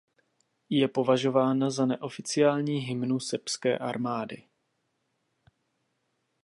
Je považována za neoficiální hymnu srbské armády.